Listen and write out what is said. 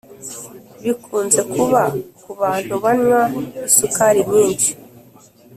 Bikunze kuba kubantu banywa isukari nyinshi